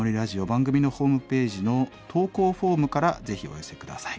番組のホームページの投稿フォームからぜひお寄せ下さい。